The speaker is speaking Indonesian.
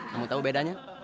kamu tau bedanya